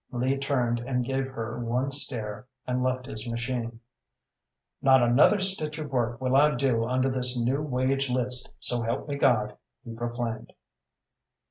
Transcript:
Lee turned and gave her one stare, and left his machine. "Not another stitch of work will I do under this new wage list, so help me, God!" he proclaimed.